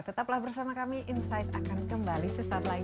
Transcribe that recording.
tetaplah bersama kami insight akan kembali sesaat lagi